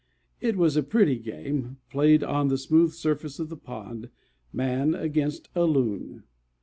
It was a pretty game, played on the smooth surface of the pond, man against a Loon.